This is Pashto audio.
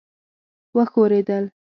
وښورېدل.